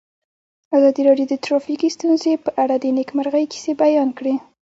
ازادي راډیو د ټرافیکي ستونزې په اړه د نېکمرغۍ کیسې بیان کړې.